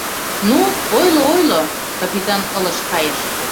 — Ну, ойло, ойло, — капитан ылыж кайыш.